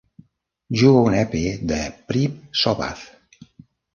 Juga un EP de Preap Sovath.